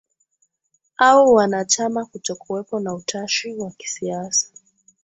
au uanachama Kutokuwepo na utashi wa kisiasa